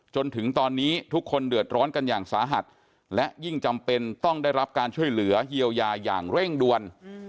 จนถึงตอนนี้ทุกคนเดือดร้อนกันอย่างสาหัสและยิ่งจำเป็นต้องได้รับการช่วยเหลือเยียวยาอย่างเร่งด่วน